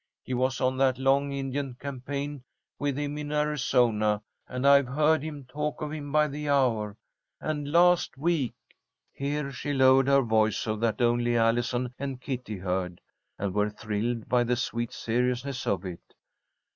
He was on that long Indian campaign with him in Arizona, and I've heard him talk of him by the hour. And last week" here she lowered her voice so that only Allison and Kitty heard, and were thrilled by the sweet seriousness of it.